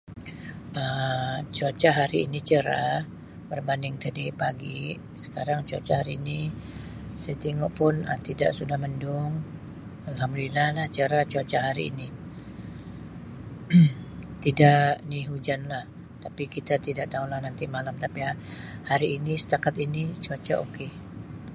Um Cuaca hari ini cerah berbanding tadi pagi sekarang cuaca hari ini saya tengok pun Um tidak sudah mendung, Alhamdulillah lah cerah cuaca pada hari ini tidak ni hujan lah, tapi kita tidak tau nanti malam tapi setakat ini cuaca okay.